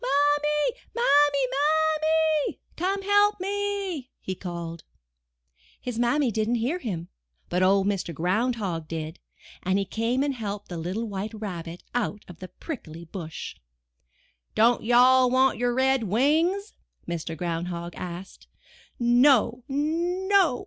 Mammy, Mammy, Mammy, come and help me!'* he called. His Mammy didn't hear him, but Old Mr. Ground Hog did, and he came and helped the little White Rabbit out of the prickly bush. ''Don't you all want your red wings?*' Mr. Ground Hog asked. ''No, no!